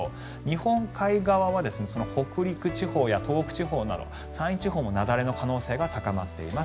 日本海側は北陸地方や東北地方など山陰地方も雪崩の可能性が高まっています。